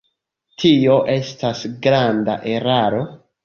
Tio estas granda eraro.